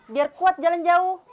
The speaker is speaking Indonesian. biar kuat jalan jauh